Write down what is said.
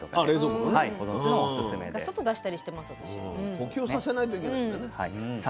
呼吸させないといけないんだね。